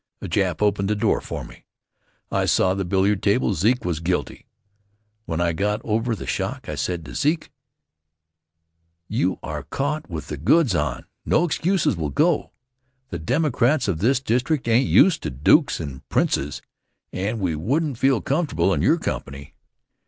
A Jap opened the door for me. I saw the billiard table Zeke was guilty! When I got over the shock, I said to Zeke: "You are caught with the goods on. No excuses will go. The Democrats of this district ain't used to dukes and princes and we wouldn't feel comfortable in your company.